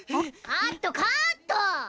カットカット！